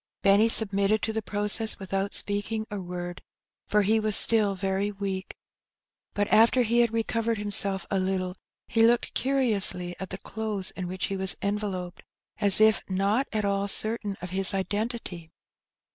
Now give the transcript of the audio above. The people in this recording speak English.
Benny submitted to the process without speaking a word, for he was still very weak; but after he had recovered him self a little, he looked curiously at the clothes in which he was enveloped, as if not at all certain of his identity.